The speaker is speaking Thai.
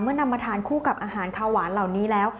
นำมาทานคู่กับอาหารคาหวานเหล่านี้แล้ว